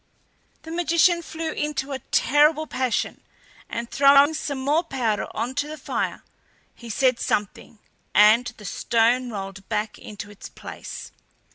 The magician flew into a terrible passion, and throwing some more powder on to the fire, he said something, and the stone rolled back into its place.